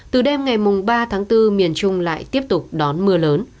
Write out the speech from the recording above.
từ đêm ngày ba tháng bốn miền trung lại tiếp tục đón mưa lớn